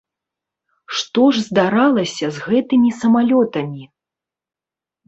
Што ж здаралася з гэтымі самалётамі?